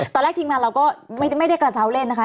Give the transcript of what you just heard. ตอนแรกทีมงานเราก็ไม่ได้กระเช้าเล่นนะคะ